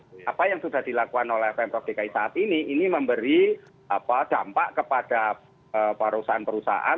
pengalaman yang dilakukan oleh pemprov dki saat ini ini memberi dampak kepada para perusahaan perusahaan